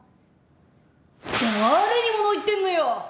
誰に物言ってんのよ！